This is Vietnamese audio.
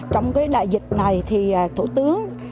trong cái đại dịch này thì thủ tướng